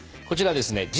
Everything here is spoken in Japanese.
こちらですね